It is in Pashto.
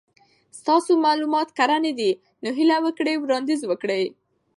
ستاسو مالومات کره ندي نو هیله وکړئ وړاندیز وکړئ